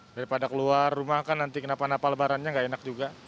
daripada keluar rumah kan nanti kenapa napa lebarannya nggak enak juga